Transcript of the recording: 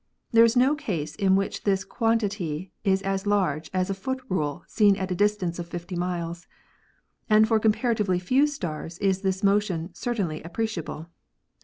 There is no case in which this quantity is as large as a foot rule seen at a distance of 50 miles, and for comparatively few stars is this motion certainly appreciable.